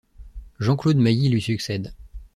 Jean-Claude Mailly lui succède.